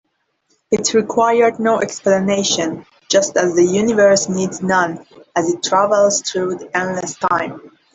It required no explanation, just as the universe needs none as it travels through endless time.